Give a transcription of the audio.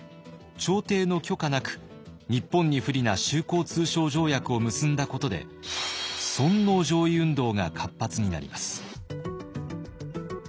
朝廷の許可なく日本に不利な修好通商条約を結んだことで尊皇攘夷運動が活発になります。